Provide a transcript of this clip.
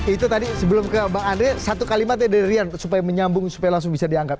itu tadi sebelum ke bang andre satu kalimatnya dari rian supaya menyambung supaya langsung bisa dianggap